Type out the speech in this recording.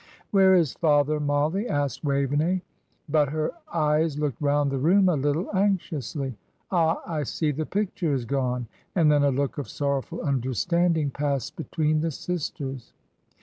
"Where is father, Mollie?" asked Waveney; but her eyes looked round the room a little anxiously. "Ah, I see the picture has gone;" and then a look of sorrowful understanding passed between the sisters.